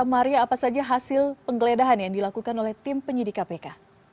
maria apa saja hasil penggeledahan yang dilakukan oleh tim penyidik kpk